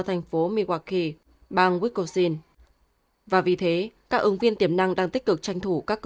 thành phố milwaukee bang wisconsin và vì thế các ứng viên tiềm năng đang tích cực tranh thủ các